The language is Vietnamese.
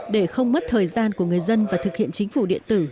để không mất thời gian của người dân và thực hiện chính phủ điện tử